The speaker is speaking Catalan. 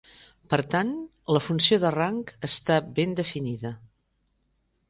Per tant, la funció de rang està ben definida.